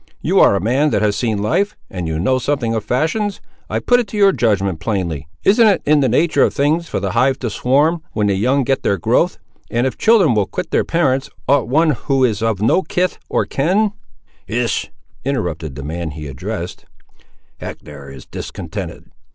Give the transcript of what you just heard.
You ar' a man that has seen life, and you know something of fashions; I put it to your judgment, plainly, isn't it in the nature of things for the hive to swarm when the young get their growth, and if children will quit their parents, ought one who is of no kith or kin—" "Hist!" interrupted the man he addressed, "Hector is discontented.